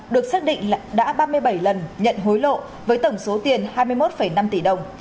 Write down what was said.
được xác định là đã ba mươi bảy lần nhận hối lộ với tổng số tiền hai mươi một năm tỷ đồng